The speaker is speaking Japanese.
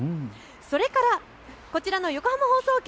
それからこちらの横浜放送局